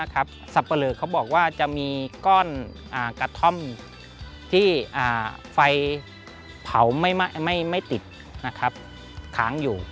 สับปะเลอเขาบอกว่าจะมีก้อนกระท่อมที่ไฟเผาไม่ติดค้างอยู่